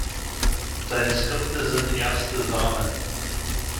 Seine Skripte sind erste Sahne.